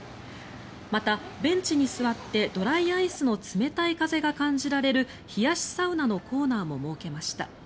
また、ベンチに座ってドライアイスの冷たい風が感じられる冷やしサウナのコーナーも設けました。